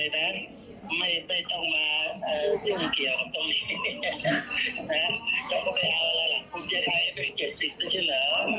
เราต้องเข้าตรงนี้คุณเย้ไทยเป็น๗๐นึกเช่นเหรอ